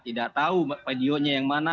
tidak tahu padionya yang mana